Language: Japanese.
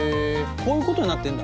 こういうことになってんだ。